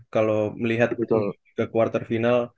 kalau melihat ke quarter final